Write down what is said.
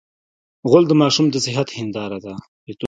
غول د ماشوم د صحت هنداره ده.